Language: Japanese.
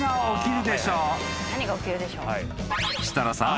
［設楽さん。